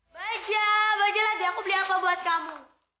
bajak bajak lagi aku beli apa buat kamu